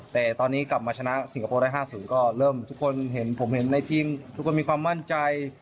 แต่ตอนนี้กลับมาชนะสิงคโปร์ได้๕๐ก็เริ่มทุกคนเห็นผมเห็นในทีมทุกคนมีความมั่นใจ